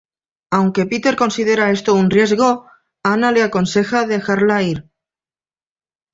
Aunque Peter considera esto un riesgo, Anna le aconseja dejarla ir.